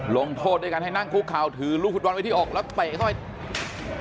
ลงโทษด้วยการให้นั่งคุกเข่าถือลูกฟุตบอลไว้ที่อกแล้วเตะเข้าไป